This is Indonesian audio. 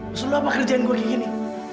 maksud lo apa kerjaan gue kayak gini